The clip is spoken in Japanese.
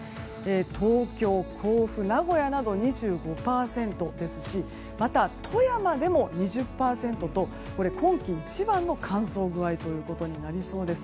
東京、甲府、名古屋など２５％ですしまた、富山でも２０％とこれは今季一番の乾燥具合となりそうです。